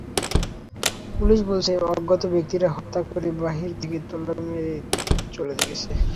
Police বলছে, অজ্ঞাত ব্যক্তিরা হত্যা করে বাইরে থেকে তালা মেরে চলে গেছে।